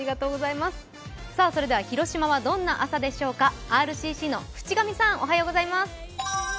それでは広島はどんな朝でしょうか、ＲＣＣの渕上さん。